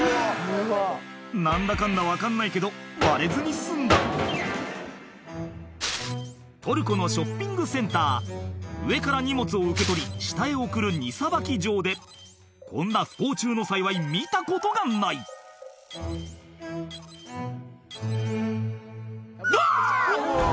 何だかんだ分かんないけど割れずに済んだトルコのショッピングセンター上から荷物を受け取り下へ送る荷さばき場でこんな不幸中の幸い見たことがない「うわ！」